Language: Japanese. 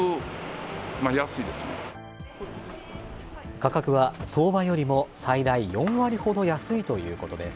価格は相場よりも最大４割ほど安いということです。